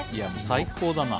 最高だな。